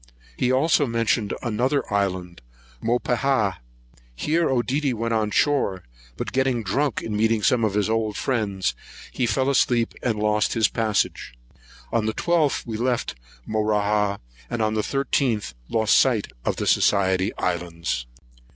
He also mentioned another island, which he called Mopehah. Here Oedidy went on shore; but getting drunk in meeting some of his old friends, he fell asleep, and lost his passage. On the 12th we left Mauruah, and on the 13th lost sight of the Society Islands.